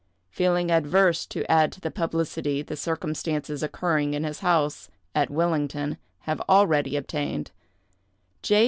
Feeling averse to add to the publicity the circumstances occurring in his house, at Willington, have already obtained, J.